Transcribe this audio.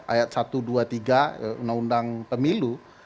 ayat satu dua tiga undang undang pemilu